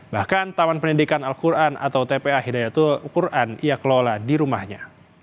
bahkan taman pendidikan al quran atau tpa hidayatul quran ia kelola di rumahnya